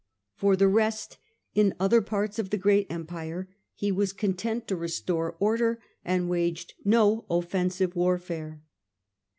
For the rest, in other parts of the great empire, he was content to restore order, and waged no offensive warfare.